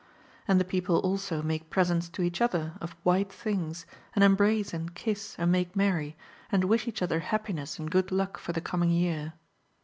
And the people also make presents to each other of white things, and embrace and kiss and make merry, and wish each other happiness and good luck for the coming year.